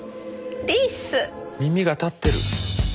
耳が立ってる！